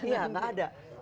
iya gak ada